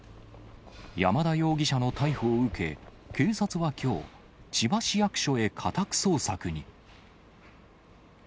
山田容疑者の逮捕を受け、警察はきょう、千葉市役所へ家宅捜索に。